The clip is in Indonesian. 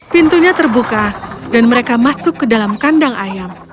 pintunya terbuka dan mereka masuk ke dalam kandang ayam